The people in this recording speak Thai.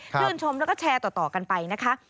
ชื่นชมแล้วก็แชร์ต่อกันไปนะคะ